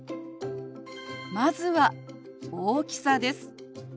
まずは大きさです。